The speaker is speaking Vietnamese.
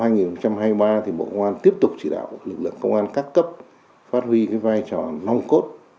năm hai nghìn hai mươi ba bộ công an tiếp tục chỉ đạo lực lượng công an các cấp phát huy vai trò lòng cốt